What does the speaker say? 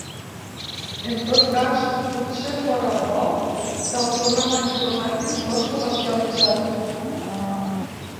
En tot cas, potser fóra bo que el programa informàtic fos comercialitzat.